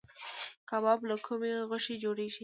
کباب له کومې غوښې جوړیږي؟